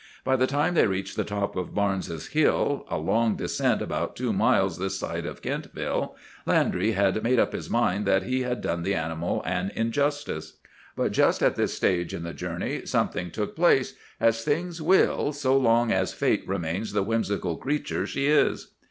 By the time they reached the top of Barnes's Hill, a long descent about two miles this side of Kentville, Landry had made up his mind that he had done the animal an injustice. But just at this stage in the journey something took place, as things will so long as Fate remains the whimsical creature she is.